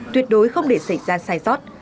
tuyệt đối không để xảy ra sai sót